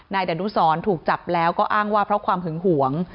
ดานุสรถูกจับแล้วก็อ้างว่าเพราะความหึงหวง